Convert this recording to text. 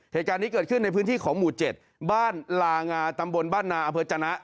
เหตุการณ์นี้เกิดขึ้นในพื้นที่ของหมู่๗บ้านลางาตำบลบ้านนาอำเภอจนะ